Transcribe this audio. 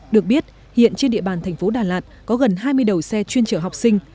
được biết hiện trên địa bàn tp đà lạt có gần hai mươi đầu xe chuyên trở học sinh